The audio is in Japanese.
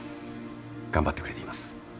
頑張ってくれています。